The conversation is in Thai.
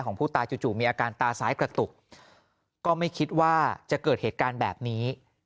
ผู้ตายจู่มีอาการตาซ้ายกระตุกก็ไม่คิดว่าจะเกิดเหตุการณ์แบบนี้